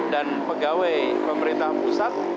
dan pegawai pemerintah pusat